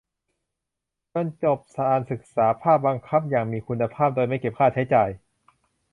จนจบการศึกษาภาคบังคับอย่างมีคุณภาพ โดยไม่เก็บค่าใช้จ่าย